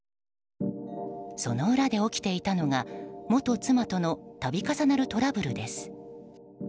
その裏で起きていたのが元妻との度重なるトラブルです。